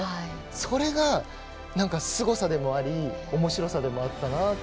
それがすごさでもありおもしろさでもあったなと。